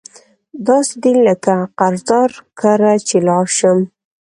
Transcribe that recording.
داسي دي لکه قرضدار کره چی لاړ شم